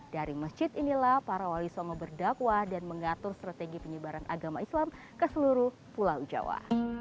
dari masjid inilah para wali songo berdakwah dan mengatur strategi penyebaran agama islam ke seluruh pulau jawa